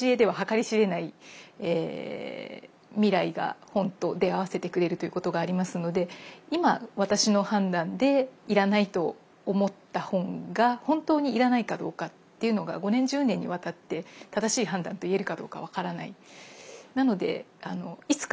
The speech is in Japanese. みたいなことがあったり。ということがありますので今私の判断で要らないと思った本が本当に要らないかどうかっていうのが５年１０年にわたって正しい判断と言えるかどうか分からない。